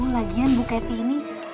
bukan ibu lagian bu ketty ini